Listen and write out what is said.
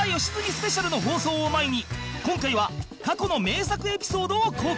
スペシャルの放送を前に今回は過去の名作エピソードを公開